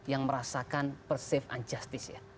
yang merasakan perceve unjustice ya